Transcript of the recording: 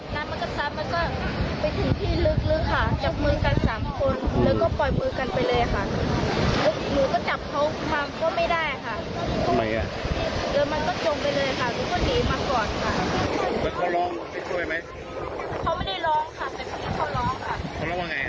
น้ำมันกับซัดและก็ไปถึงที่ลึกข่าวจับมือกัน๓คนและก็ปล่อยมือกันไปเลยอะค่ะ